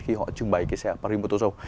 khi họ trưng bày cái xe paris motor show